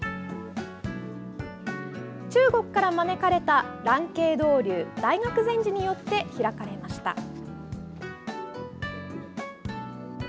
中国から招かれた蘭渓道隆大覚禅師によって開かれました。